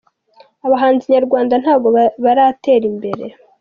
Abahanzi nyarwanda ntago baratera imbere.